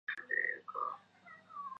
他赢得了七次奥斯卡奖。